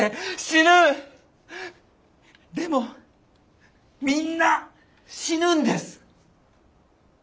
でもみんな死ぬんです。